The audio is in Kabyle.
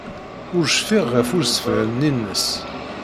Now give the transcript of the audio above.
Ur cfiɣ ɣef ussefhem-nni-nnes.